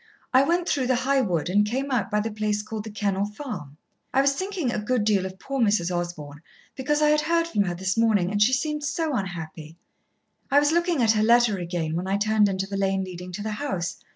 "I went through the High Wood and came out by the place called The Kennel Farm. I was thinking a good deal of poor Mrs. Osborn because I had heard from her this morning, and she seemed so unhappy. I was looking at her letter again when I turned into the lane leading to the house.